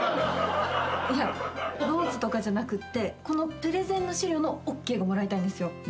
いやローズとかじゃなくってこのプレゼンの資料のＯＫがもらいたいんですよ。